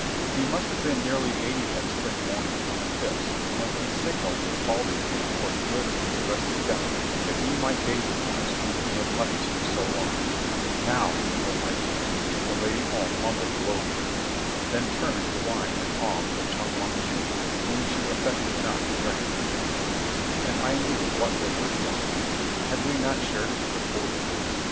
He must have been nearly eighty that spring morning on the cliffs when he signalled with palsied hand for his litter to be rested down that he might gaze upon us whom he had punished for so long. "Now, O my king," the Lady Om mumbled low to me, then turned to whine an alms of Chong Mong ju, whom she affected not to recognize. And I knew what was her thought. Had we not shared it for forty years?